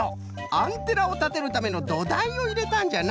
アンテナをたてるためのどだいをいれたんじゃな。